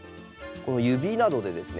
指などでですね